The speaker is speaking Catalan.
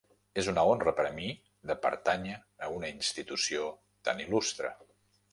És una honra per a mi de pertànyer a una institució tan il·lustre.